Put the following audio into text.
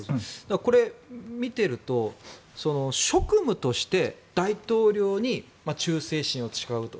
これ、見ていると職務として大統領に忠誠心を誓うと。